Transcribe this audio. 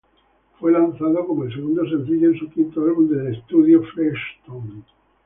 Fue lanzado como el segundo sencillo de su quinto álbum de estudio "Flesh Tone".